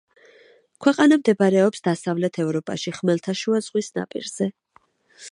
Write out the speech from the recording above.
ქვეყანა მდებარეობს დასავლეთ ევროპაში, ხმელთაშუა ზღვის ნაპირზე.